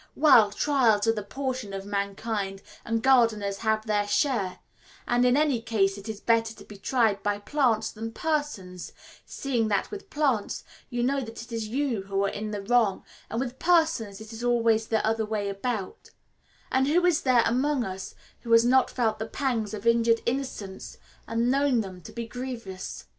Well, trials are the portion of mankind, and gardeners have their share, and in any case it is better to be tried by plants than persons, seeing that with plants you know that it is you who are in the wrong, and with persons it is always the other way about and who is there among us who has not felt the pangs of injured innocence, and known them to be grievous?